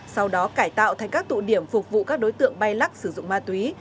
sau đó cải tạo thành các tụ điểm phục vụ các đối tượng bay lắc sử dụng ma túy